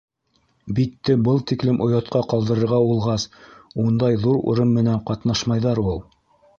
— Битте был тиклем оятҡа ҡалдырырға булғас, ундай ҙур урын менән ҡатнашмайҙар ул!